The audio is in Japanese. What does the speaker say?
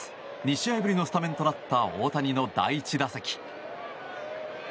２試合ぶりのスタメンとなった大谷の第１打席。